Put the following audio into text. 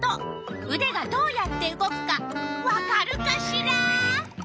うでがどうやって動くかわかるかしら？